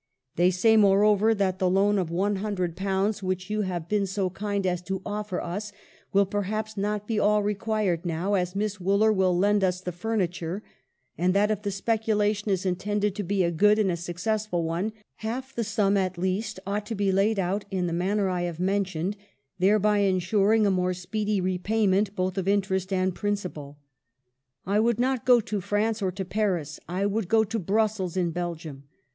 They say, moreover, that the loan of £,\Q>o, which you 1 Mrs. Gaskell. ; GIRLHOOD A T HA WORTH. 97 'have been so kind as to offer us, will perhaps 1 not be all required now, as Miss Wooler will ■lend us the furniture; and that, if the specula tion is intended to be a good and successful one, half the sum, at least, ought to be laid out in the manner I have mentioned, thereby insuring a more speedy repayment both of interest and principal. " I would not go to France or to Paris. I would go to Brussels, in Belgium.